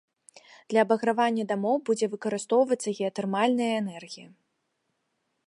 Для абагравання дамоў будзе выкарыстоўвацца геатэрмальная энергія.